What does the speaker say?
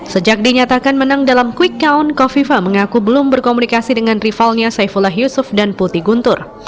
sejak dinyatakan menang dalam quick count kofifa mengaku belum berkomunikasi dengan rivalnya saifullah yusuf dan putih guntur